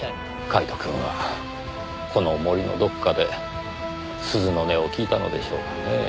カイトくんはこの森のどこかで鈴の音を聞いたのでしょうかねぇ。